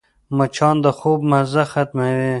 مچان د خوب مزه ختموي